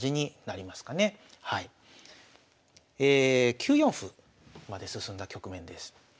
９四歩まで進んだ局面です。